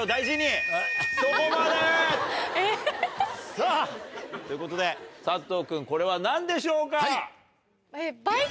さぁということで佐藤君これは何でしょうか？